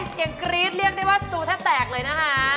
เสียงกรี๊ดเรียกได้ว่าสตูแทบแตกเลยนะคะ